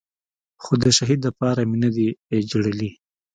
خو د شهيد دپاره مې نه دي جړلي.